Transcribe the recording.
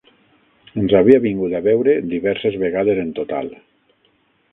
Ens havia vingut a veure diverses vegades en total.